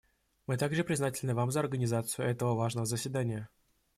Мы также признательны Вам за организацию этого важного заседания.